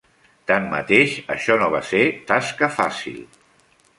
Tanmateix, això no va ser tasca fàcil.